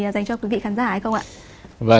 dành cho quý vị khán giả hay không ạ